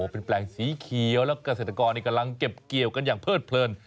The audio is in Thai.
เป็นแปลงสีเขียวและเกษตรกรกำลังเก็บเกี่ยวกันอย่างเพิดเพลิน